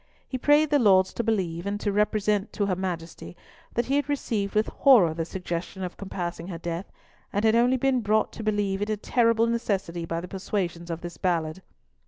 He prayed the Lords to believe, and to represent to her Majesty, that he had received with horror the suggestion of compassing her death, and had only been brought to believe it a terrible necessity by the persuasions of this Ballard.